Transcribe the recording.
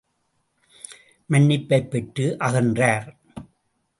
மன்னிப்பைப் பெற்று அகன்றார்.